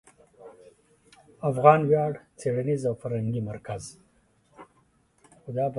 افغان ویاړ څېړنیز او فرهنګي مرکز